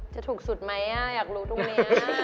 จะถูกสุดไหมอยากรู้ตรงนี้